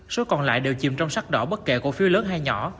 số còn lại đều chìm trong sắc đỏ bất kể cổ phiếu lớn hay nhỏ